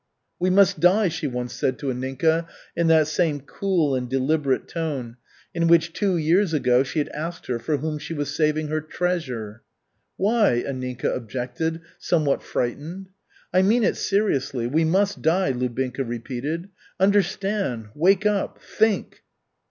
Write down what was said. "We must die," she once said to Anninka in that same cool and deliberate tone in which two years ago she had asked her for whom she was saving her "treasure." "Why?" Anninka objected, somewhat frightened. "I mean it seriously. We must die," Lubinka repeated. "Understand, wake up, think!"